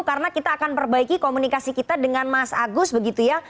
karena kita akan perbaiki komunikasi kita dengan mas agus begitu ya